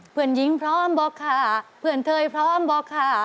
เพื่อนหญิงพร้อมบอกค่ะเพื่อนเทยพร้อมบอกค่ะ